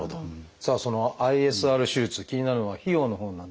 そのＩＳＲ手術気になるのは費用のほうなんですがどうでしょう？